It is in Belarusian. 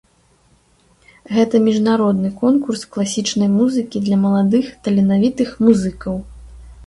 Гэта міжнародны конкурс класічнай музыкі для маладых таленавітых музыкаў.